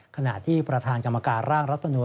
ขณะที่ประธานกรรมการร่างรัฐมนูล